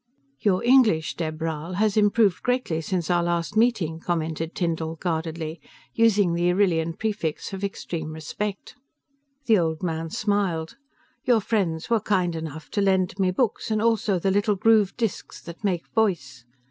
"Your English, Dheb Rhal, has improved greatly since our last meeting," commented Tyndall guardedly, using the Arrillian prefix of extreme respect. The old man smiled. "Your friends were kind enough to lend me books and also the little grooved disks that make voice."